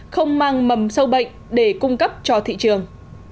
không mang mầm sâu bệnh để cung cấp cho thị trường